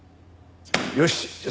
よしじゃあ